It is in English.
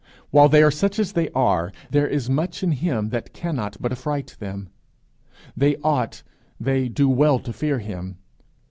While they are such as they are, there is much in him that cannot but affright them; they ought, they do well to fear him.